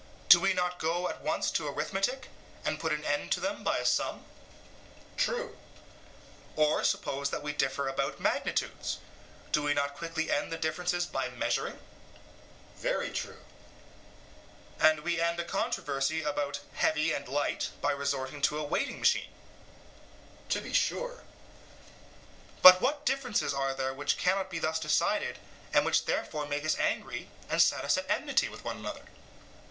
Do we not go at once to arithmetic, and put an end to them by a sum? EUTHYPHRO: True. SOCRATES: Or suppose that we differ about magnitudes, do we not quickly end the differences by measuring? EUTHYPHRO: Very true. SOCRATES: And we end a controversy about heavy and light by resorting to a weighing machine? EUTHYPHRO: To be sure. SOCRATES: But what differences are there which cannot be thus decided, and which therefore make us angry and set us at enmity with one another?